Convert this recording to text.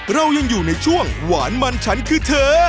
เรายังอยู่ในช่วงหวานมันฉันคือเธอ